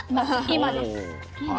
今です。